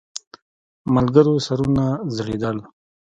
ملګرو سرونه ځړېدل.